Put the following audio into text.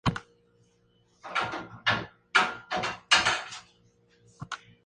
Se graduó con una tesis doctoral acerca de la banquisa en las regiones nórdicas.